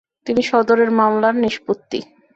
তিনি সদরের মামলার নিষ্পত্তি।